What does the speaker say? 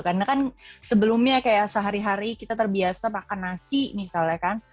karena kan sebelumnya kayak sehari hari kita terbiasa makan nasi misalnya kan